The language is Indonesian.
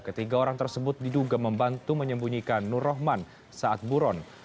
ketiga orang tersebut diduga membantu menyembunyikan nur rahman saat buron